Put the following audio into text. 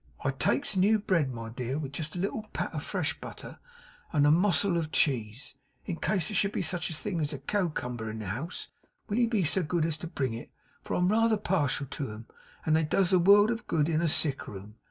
I takes new bread, my dear, with just a little pat of fresh butter, and a mossel of cheese. In case there should be such a thing as a cowcumber in the 'ouse, will you be so kind as bring it, for I'm rather partial to 'em, and they does a world of good in a sick room.